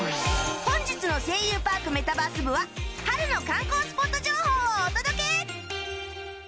本日の『声優パークメタバース部』は春の観光スポット情報をお届け！